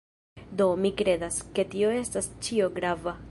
Do, mi kredas, ke tio estas ĉio grava.